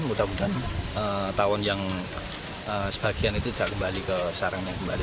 mudah mudahan tahun yang sebagian itu tidak kembali ke sarangnya kembali